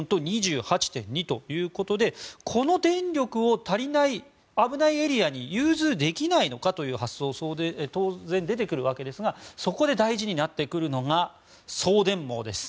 ２１．４と２８．２ということでこの電力を足りない、危ないエリアに融通できないのかという発想が当然出てくるわけですがそこで大事になってくるのが送電網です。